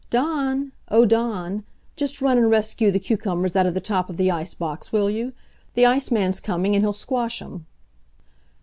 "Dawn! Oh, Dawn! Just run and rescue the cucumbers out of the top of the ice box, will you? The iceman's coming, and he'll squash 'em."